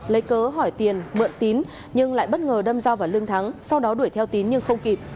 lấy cớ hỏi tiền mượn tín nhưng lại bất ngờ đâm dao vào lương thắng sau đó đuổi theo tín nhưng không kịp